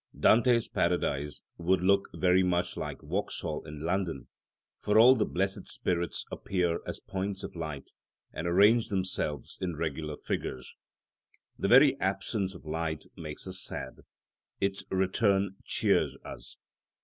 Dante's Paradise would look very much like Vauxhall in London, for all the blessed spirits appear as points of light and arrange themselves in regular figures. The very absence of light makes us sad; its return cheers us.